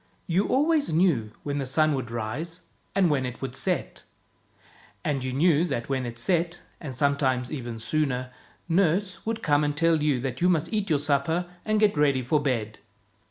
You always knew when the sun would rise, and when it would set; and you knew that when it set — and sometimes even sooner — nurse would come and tell you that you must eat your supper and get ready for bed.